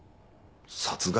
殺害？